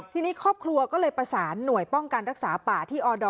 ทีนี้ครอบครัวก็เลยประสานหน่วยป้องกันรักษาป่าที่อดอ